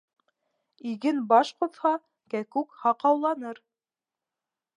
Иген баш ҡоҫһа, кәкүк һаҡауланыр.